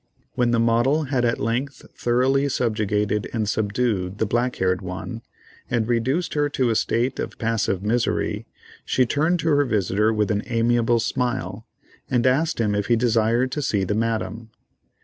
When the model had at length thoroughly subjugated and subdued the black haired one, and reduced her to a state of passive misery, she turned to her visitor with an amiable smile, and asked him if he desired to see the Madame.